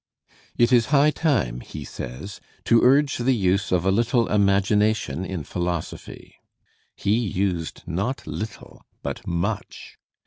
"It is high time," he says, "to urge the use of a little imagination in philosophy." He used not little but much.